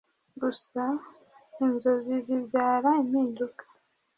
gusa inzozi zibyara impinduka